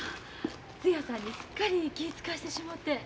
つやさんにすっかり気ぃ遣わしてしもて。